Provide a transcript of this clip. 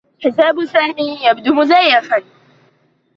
حساب سامي يبدو مزيفا.